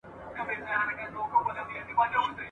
وینم د زمان په سرابو کي نړۍ بنده ده ..